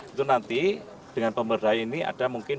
itu nanti dengan pemberdayaan ini ada mungkin